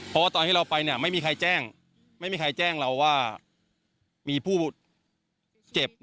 เพราะว่าตอนที่เราไปไม่มีใครแจ้งไม่มีใครแจ้งเราว่ามีผู้เจ็บ